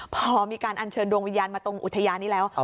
พอมีการอัญเชิญดวงวิญญาณมาตรงอุทยานนี้แล้ว